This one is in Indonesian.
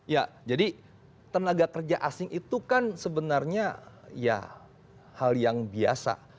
ya jadi tenaga kerja asing itu kan sebenarnya ya hal yang biasa